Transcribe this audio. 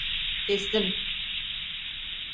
Kestim…